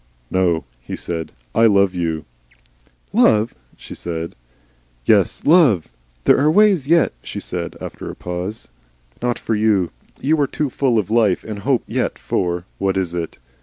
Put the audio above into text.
"No," he said. "I love you." "Love!" said she. "Yes love." "There are ways yet," she said, after a pause. "Not for you. You are too full of life and hope yet for, what is it?